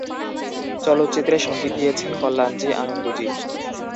চলচ্চিত্রে সংগীত দিয়েছেন কল্যাণজী-আনন্দজী।